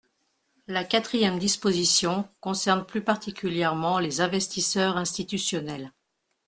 La quatrième disposition concerne plus particulièrement les investisseurs institutionnels.